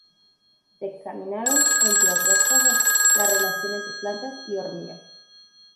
Se examinaron, entre otras cosas, la relación entre plantas y hormigas.